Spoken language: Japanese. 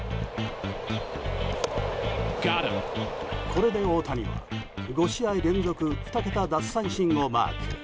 これで大谷は５試合連続２桁奪三振をマーク。